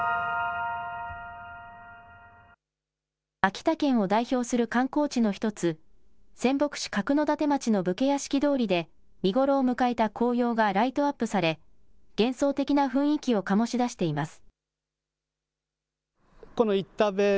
秋田県を代表する観光地の一つ、仙北市角館町の武家屋敷通りで、見頃を迎えた紅葉がライトアップされ、幻想的な雰囲気を醸し出しています。